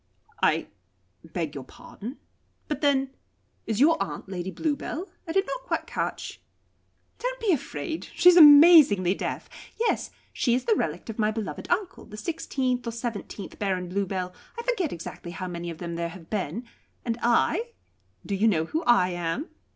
"I beg your pardon but then is your aunt Lady Bluebell? I did not quite catch " "Don't be afraid. She is amazingly deaf. Yes. She is the relict of my beloved uncle, the sixteenth or seventeenth Baron Bluebell I forget exactly how many of them there have been. And I do you know who I am?"